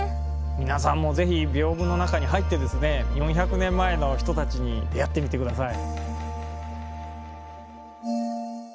皆さんもぜひ、屏風の中に入ってですね、４００年前の人たちに出会ってみてください。